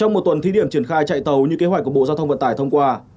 trong một tuần thí điểm triển khai chạy tàu như kế hoạch của bộ giao thông vận tải thông qua